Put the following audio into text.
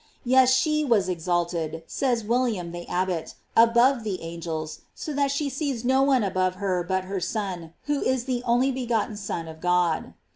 * Yes, she was exalted, says William the Abbot, above the angels, so that she sees no one above her but her Son, who is the only begot ten Son of God.